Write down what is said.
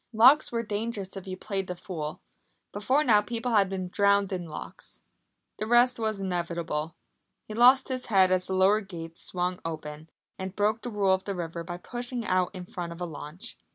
Locks were dangerous if you played the fool. Before now people had been drowned in locks. The rest was inevitable. He lost his head as the lower gates swung open, and broke the rule of the river by pushing out in front of a launch.